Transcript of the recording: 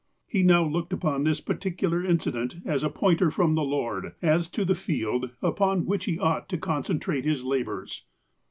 He now looked upon this particular incident as a pointer from the Lord as to the field upon which he ought to concentrate his labours.